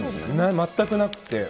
全くなくって。